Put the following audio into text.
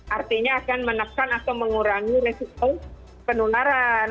artinya akan menekan atau mengurangi resiko penularan